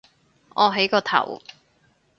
我起個頭